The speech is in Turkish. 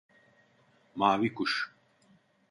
Mavi kuş…